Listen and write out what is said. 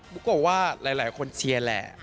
มึงกลัวว่าหลายคนเชียร์แหละ